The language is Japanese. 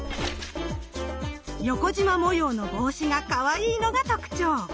横じま模様の帽子がかわいいのが特徴。